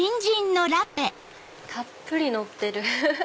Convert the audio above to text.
たっぷりのってる！